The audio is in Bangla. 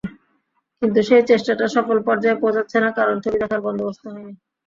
কিন্তু সেই চেষ্টাটা সফল পর্যায়ে পৌঁছাচ্ছে না, কারণ ছবি দেখার বন্দোবস্ত হয়নি।